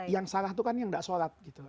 yang salah itu kan yang tidak sholat